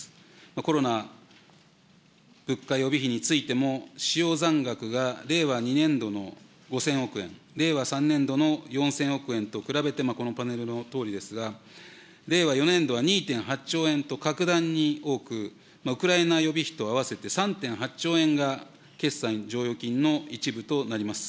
コロナ物価予備費についても使用残額が令和２年度の５０００億円、令和３年度の４０００億円と比べて、このパネルのとおりですが、令和４年度は２．８兆円と格段に多く、ウクライナ予備費とあわせて３．８兆円が決算剰余金の一部となります。